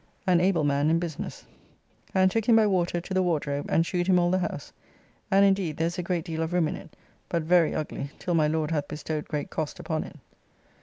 "] and able man in business, and took him by water to the Wardrobe, and shewed him all the house; and indeed there is a great deal of room in it, but very ugly till my Lord hath bestowed great cost upon it.